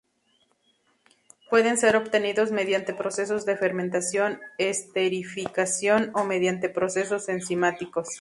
Pueden ser obtenidos mediante procesos de fermentación, esterificación o mediante procesos enzimáticos.